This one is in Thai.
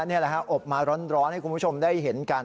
นี่แหละครับอบมาร้อนให้คุณผู้ชมได้เห็นกัน